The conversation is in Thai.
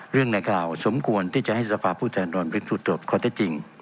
เรื่องในข่าวสมควรที่จะให้สภาพผู้แทนรวมพินธุตรก็ได้จริง